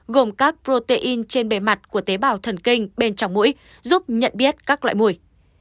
gồm các protein trên bề mặt của tế bào thần kinh bên trong mũi giúp nhận biết các loại mùi